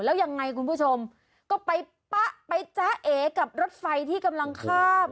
แล้วยังไงคุณผู้ชมก็ไปปะไปจ๊ะเอกับรถไฟที่กำลังข้าม